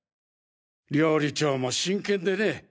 料理長も真剣でね。